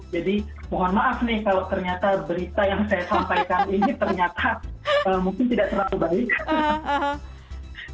jadi mohon maaf nih kalau ternyata berita yang saya sampaikan ini ternyata mungkin tidak terlalu baik